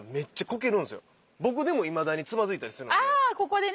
僕でもいまだにつまずいたりするんで。